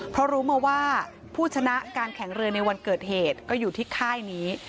เพราะรู้มาว่าผู้ชนะการแข่งเรือในวันเกิดเหตุก็อยู่ที่ค่ายนี้